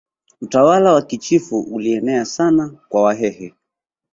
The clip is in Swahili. utawala wa kichifu ulienea sana kwa wahehe